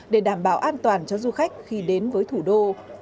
để đảm bảo an toàn cho du khách khi đến với thủ đô